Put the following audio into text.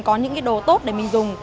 có những đồ tốt để mình dùng